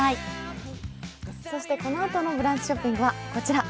そしてこのあとの「ブランチショッピング」はこちら。